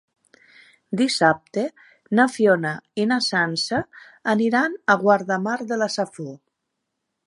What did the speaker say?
Dissabte na Fiona i na Sança aniran a Guardamar de la Safor.